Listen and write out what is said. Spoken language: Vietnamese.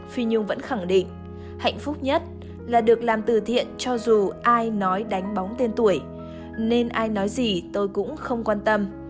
phi nhưng vẫn khẳng định hạnh phúc nhất là được làm từ thiện cho dù ai nói đánh bóng tên tuổi nên ai nói gì tôi cũng không quan tâm